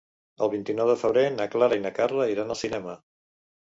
El vint-i-nou de febrer na Clara i na Carla iran al cinema.